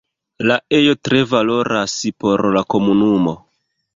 La ejo tre valoras por la komunumo.